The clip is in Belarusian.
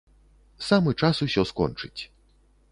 Самы час усё скончыць.